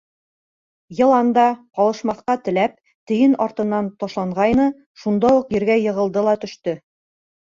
Йылан да, ҡалышмаҫҡа теләп, тейен артынан ташланғайны, шунда уҡ ергә йығылды ла төштө.